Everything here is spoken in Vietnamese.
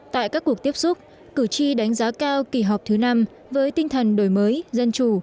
tại các cuộc tiếp xúc cử tri đánh giá cao kỳ họp thứ năm với tinh thần đổi mới dân chủ